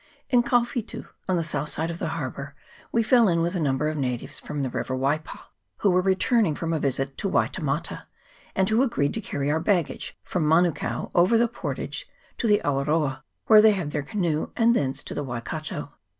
IN Kauwitu, on the south side of the harbour, we fell in with a number of natives from the river Waipa, who were returning from a visit to Waitemata, and who agreed to carry our baggage from Manukao over the portage to the Awaroa, where they had their canoe, and thence to the Waikato.